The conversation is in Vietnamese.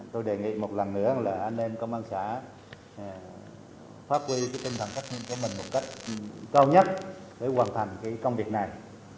tôi đề nghị một lần nữa là an ninh công an xã phát huy tinh thần phát hiện cho mình một cách cao nhất để hoàn thành công việc này